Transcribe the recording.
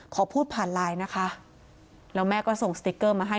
ขอพูดผ่านไลน์นะคะแล้วแม่ก็ส่งสติ๊กเกอร์มาให้